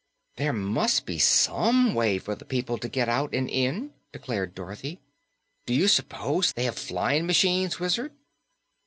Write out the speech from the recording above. "There must be SOME way for the people to get out and in," declared Dorothy. "Do you s'pose they have flying machines, Wizard?"